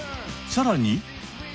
さらに。